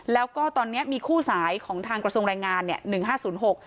แล้วก็ตอนเนี้ยมีคู่สายของทางกระทรวงแรงงานเนี่ยหนึ่งห้าศูนย์หก